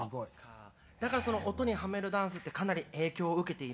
だから音にはめるダンスってかなり影響を受けているんだね。